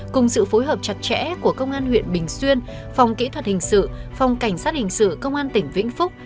cùng sự phối hợp chặt chẽ của công an huyện bình xuyên phòng kỹ thuật hình sự phòng cảnh sát hình sự công an tỉnh vĩnh phúc